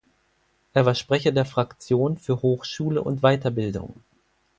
Er war Sprecher der Fraktion für Hochschule und Weiterbildung.